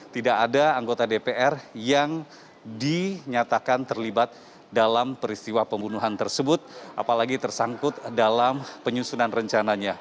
tidak ada anggota dpr yang dinyatakan terlibat dalam peristiwa pembunuhan tersebut apalagi tersangkut dalam penyusunan rencananya